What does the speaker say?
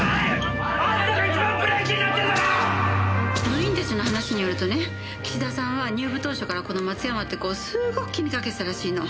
部員たちの話によるとね岸田さんは入部当初からこの松山って子をすごく気にかけてたらしいの。